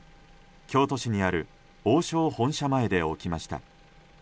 京都市にある王将本社前で起きました。